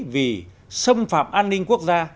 vì xâm phạm an ninh quốc gia